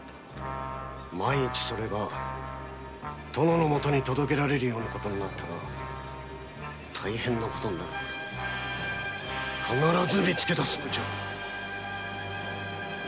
万一それが殿のもとに届けられるような事になったら大変な事になる必ず見つけ出すのじゃ！